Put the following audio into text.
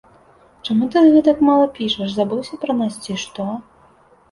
Чаму ты гэтак мала пішаш, забыўся пра нас, ці што?